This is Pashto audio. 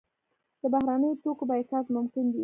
د بهرنیو توکو بایکاټ ممکن دی؟